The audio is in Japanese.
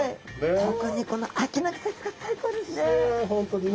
特にこの秋の季節が最高ですね。